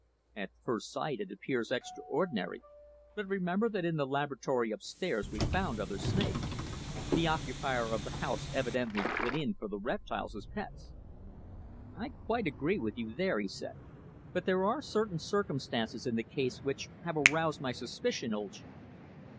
"At first sight it appears extraordinary, but remember that in the laboratory upstairs we found other snakes. The occupier of the house evidently went in for the reptiles as pets." "I quite agree with you there," he said. "But there are certain circumstances in the case which have aroused my suspicion, old chap.